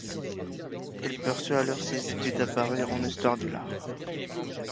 Elle poursuit alors ses études à Paris en histoire de l'art.